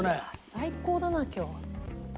最高だな今日は。